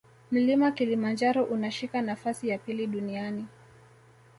mlima kilimanjaro unashika nafasi ya pili duniani